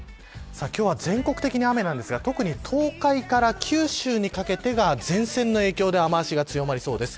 今日は、全国的に雨ですが特に東海から九州にかけてが前線の影響で雨脚が強まりそうです。